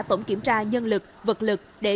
tổng kiểm tra nhân lực vật lực để